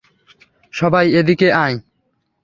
সবাই এদিকে আয়।